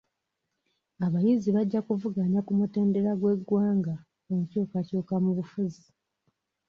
Abayizi bajja kuvuganya ku mutendera gw'eggwanga ku nkyukakyuka mu bufuzi.